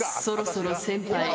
そろそろ先輩。